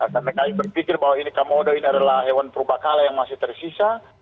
karena kami berpikir bahwa ini komodo ini adalah hewan perubakala yang masih tersisa